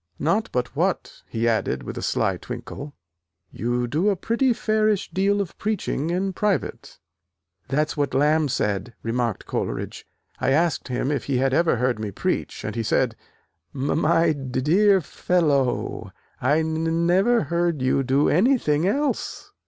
Not but what," he added with a sly twinkle, "you do a pretty fairish deal of preaching in private." "That's what Lamb said," remarked Coleridge, "I asked him if he had ever heard me preach, and he said, 'M my d dear f fellow, I n n never heard you do anything else!'